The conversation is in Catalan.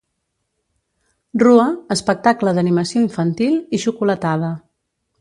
Rua, espectacle d'animació infantil i xocolatada.